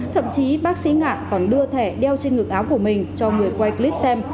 thậm chí bác sĩ ngạn còn đưa thẻ đeo trên ngực áo của mình cho người quay clip xem